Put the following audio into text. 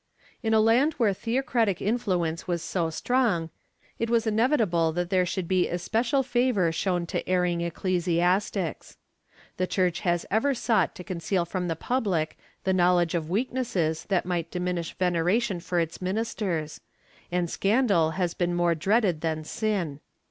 In a land where theocratic influence was so strong, it was inevit able that there should be especial favor shown to erring ecclesi astics. The Church has ever sought to conceal from the public the knowledge of weaknesses that might diminish veneration for its ministers, and scandal has been more dreaded than sin.